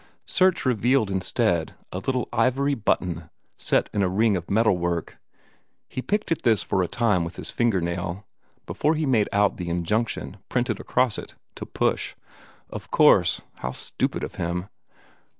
Search revealed instead a little ivory button set in a ring of metal work. He picked at this for a time with his finger nail, before he made out the injunction, printed across it, to push. Of course! how stupid of him!